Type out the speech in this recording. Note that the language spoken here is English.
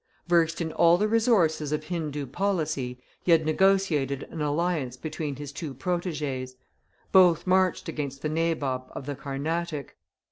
Versed in all the resources of Hindoo policy, he had negotiated an alliance between his two proteges; both marched against the Nabob of the Carnatic.